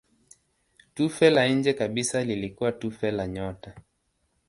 Tufe la nje kabisa lilikuwa tufe la nyota.